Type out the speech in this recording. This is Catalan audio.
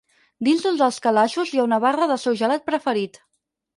Dins d'un dels calaixos hi ha una barra del seu gelat preferit.